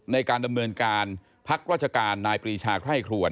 ในการดำเนินการพักราชการนายปรีชาไคร่ครวน